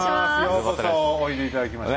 ようこそおいで頂きました。